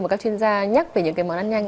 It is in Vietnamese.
một các chuyên gia nhắc về những món ăn nhanh